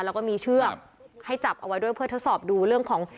แล้วก็มีเชือกให้จับเอาไว้ด้วยเพื่อทดสอบดูเรื่องของ